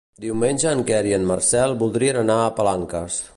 Diumenge en Quer i en Marcel voldrien anar a Palanques.